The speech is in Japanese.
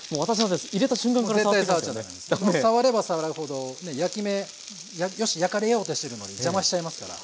触れば触るほど焼き目よしっ焼かれようとしてるのに邪魔しちゃいますから。